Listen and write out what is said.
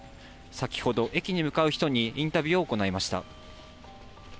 先ほど、駅に向かう人にインタビューを行いました。